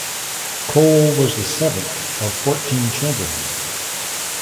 Cole was the seventh of fourteen children.